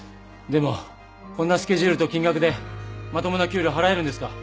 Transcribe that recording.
でもこんなスケジュールと金額でまともな給料払えるんですか？